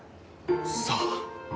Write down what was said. さあ。